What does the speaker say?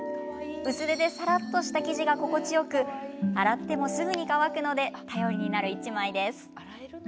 薄手でさらっとした生地が心地よく洗ってもすぐに乾くので頼りになる１枚です。